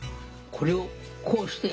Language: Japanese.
これをこうして！」。